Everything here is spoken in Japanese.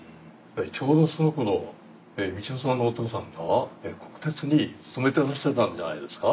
ちょうどそのころ道代さんのお父さんが国鉄に勤めてらっしゃったんじゃないですか？